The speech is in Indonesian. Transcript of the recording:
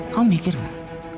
kamu mikir gak